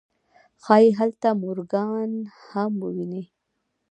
ښايي هلته مورګان هم وويني.